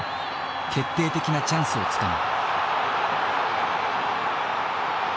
決定的なチャンスをつかむ。